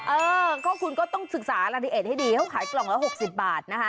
เออคุณก็ต้องศึกษาระเอดให้ดีเขาขายกล่องละหกสิบบาทนะคะ